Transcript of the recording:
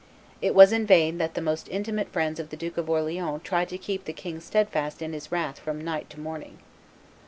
It was in vain that the most intimate friends of the Duke of Orleans tried to keep the king steadfast in his wrath from night to morning.